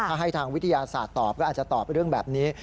ถ้าให้ทางวิทยาศาสตร์ตอบก็อาจจะตอบเรื่องแบบนี้